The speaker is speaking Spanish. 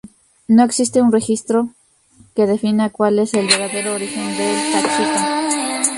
No existe un registro que defina cuál es el verdadero origen del cachito.